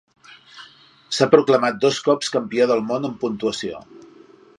S'ha proclamat dos cops campió del món en puntuació.